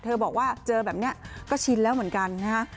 บอกว่าเจอแบบนี้ก็ชินแล้วเหมือนกันนะฮะ